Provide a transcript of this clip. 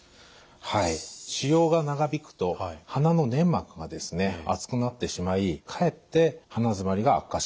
はい使用が長引くと鼻の粘膜がですね厚くなってしまいかえって鼻詰まりが悪化します。